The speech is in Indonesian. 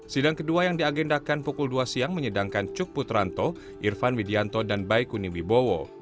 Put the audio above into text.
sidang kedua yang diagendakan pukul dua siang menyedangkan cuk putranto irfan widianto dan baikuni wibowo